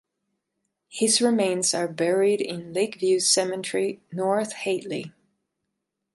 His remains are buried in Lakeview Cemetery North Hatley.